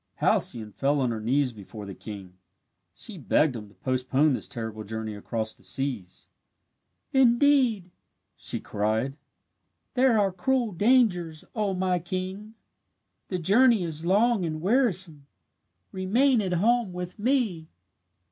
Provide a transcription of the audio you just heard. Halcyone fell on her knees before the king. She begged him to postpone this terrible journey across the seas. "Indeed," cried she, "there are cruel dangers, O my king! The journey is long and wearisome. Remain at home with me!"